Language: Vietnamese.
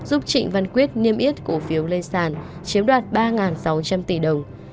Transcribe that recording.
giúp trịnh văn quyết niêm yết cổ phiếu lê sàn chiếm đoạt ba sáu trăm linh tỷ đồng